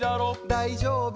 だいじょうぶ